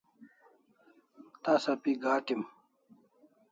Tasa pi gat'em